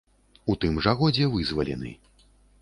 У тым жа годзе вызвалены.